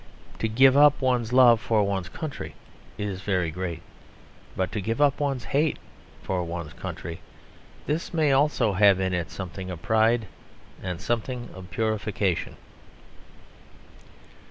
To give up one's love for one's country is very great. But to give up one's hate for one's country, this may also have in it something of pride and something of purification.